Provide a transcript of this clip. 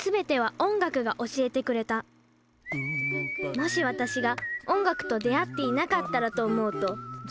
もし私が音楽と出会っていなかったらと思うとゾッとします。